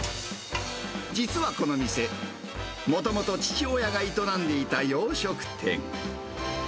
実はこの店、もともと父親が営んでいた洋食店。